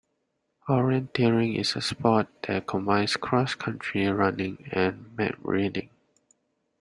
Orienteering is a sport that combines cross-country running and map reading